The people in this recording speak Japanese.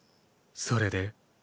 それで？